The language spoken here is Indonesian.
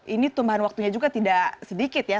ini tumbahan waktunya juga tidak sedikit ya